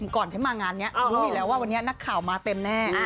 ก่อนที่มางานนี้รู้อยู่แล้วว่าวันนี้นักข่าวมาเต็มแน่